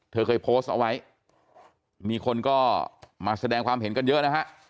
เธอเคยโพสต์เอาไว้มีคนก็มาแสดงความเห็นกันเยอะนะฮะ